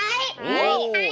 おっ！